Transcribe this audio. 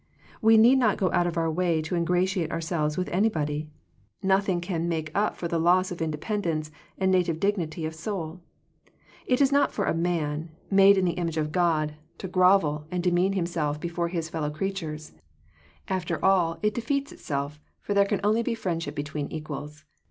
We need not go out of our way to ingra tiate ourselves with anybody. Nothing can make up for the loss of independence and native dignity of soul. It is not for a man, made in the image of God, to 100 Digitized by VjOOQIC THE CHOICE OF FRIENDSHIP grovel, and demean himself before his fellow creatures. After all it defeats itself; for there can only be friendship between equals.